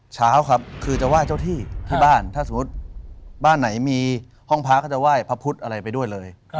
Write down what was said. เช้าครับคือจะไหว้เจ้าที่ที่บ้านถ้าสมมุติบ้านไหนมีห้องพระก็จะไหว้พระพุทธอะไรไปด้วยเลย